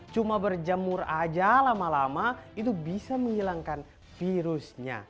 cuma berjemur aja lama lama itu bisa menghilangkan virusnya